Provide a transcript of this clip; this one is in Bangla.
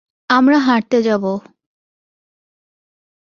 আমরা হাঁটতে যাবো।